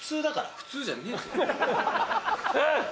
普通じゃねえよ。